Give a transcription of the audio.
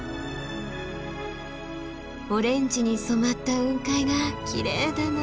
オレンジに染まった雲海がきれいだな。